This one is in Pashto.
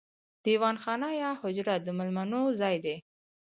دیوان خانه یا حجره د میلمنو ځای دی.